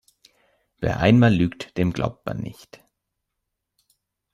Wer einmal lügt, dem glaubt man nicht.